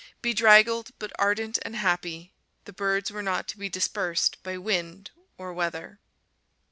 Bedraggled, but ardent and happy, the birds were not to be dispersed by wind or weather.